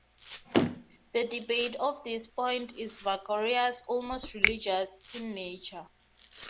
The debate of this point is vigorous, almost religious, in nature.